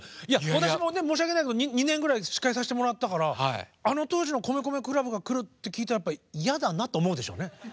私もね申し訳ないけど２年ぐらい司会させてもらったからあの当時の米米ＣＬＵＢが来るって聞いたら嫌だなと思うでしょうね。